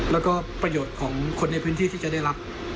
แล้วก็ประโยชน์ของคนในพื้นที่ที่จะได้รับ